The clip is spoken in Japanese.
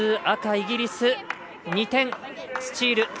赤イギリス、２点スチール。